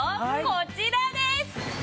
こちらです！